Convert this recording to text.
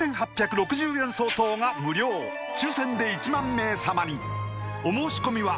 ４８６０円相当が無料抽選で１万名様にお申し込みは